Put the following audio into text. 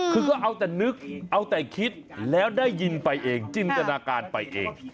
คือก็เอาแต่นึกเอาแต่คิดแล้วได้ยินไปเองจินตนาการไปเอง